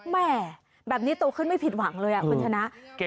แม่แบบนี้โตขึ้นไม่ผิดหวังเลยคุณชนะ